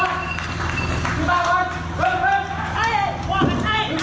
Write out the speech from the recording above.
กิริเตอร์สรุปสาหรัสแลของพวกร้ายเป็นศัตรูพุทธมรักแต่รอแลกของกัน